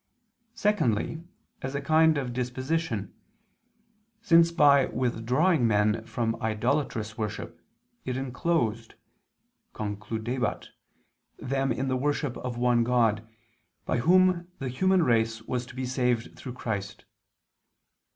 Secondly, as a kind of disposition, since by withdrawing men from idolatrous worship, it enclosed (concludebat) them in the worship of one God, by Whom the human race was to be saved through Christ.